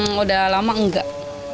sudah lama enggak